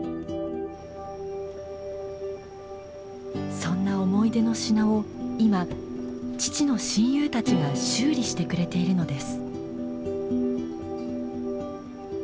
そんな思い出の品を今父の親友たちが修理してくれているのです。